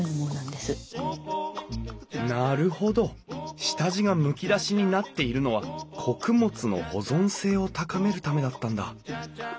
なるほど下地がむき出しになっているのは穀物の保存性を高めるためだったんだ！